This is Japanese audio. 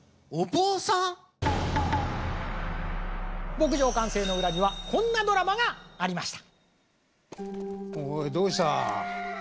牧場完成の裏にはこんなドラマがありました。